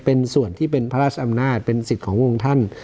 เป็นส่วนที่เป็นพระราชอำนาจเป็นสิทธิ์ขององค์ท่าน